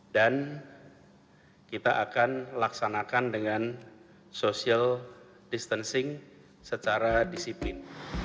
dan kita akan laksanakan dengan social distancing secara disiplin